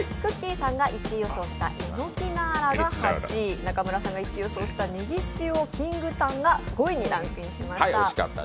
さんが１位予想したえのきナーラが８位、中村さんが１位予想したネギ塩きんぐタンが５位にランクインしました。